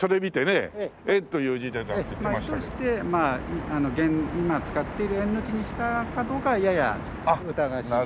そして今使ってる円の字にしたかどうかはやや疑わしい。